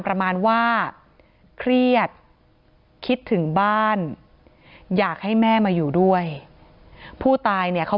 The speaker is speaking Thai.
ประมาณว่าเครียดคิดถึงบ้านอยากให้แม่มาอยู่ด้วยผู้ตายเนี่ยเขา